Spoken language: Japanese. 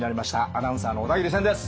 アナウンサーの小田切千です。